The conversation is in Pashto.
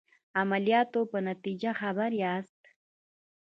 عملیاتو په نتیجه خبر یاست.